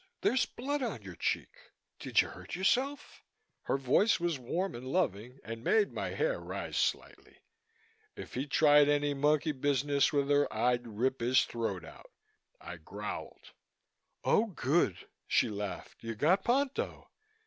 There's blood on your cheek. Did you hurt yourself?" Her voice was warm and loving and made my hair rise slightly. If he tried any monkey business with her, I'd rip his throat out. I growled. "Oh, good!" she laughed. "You got Ponto.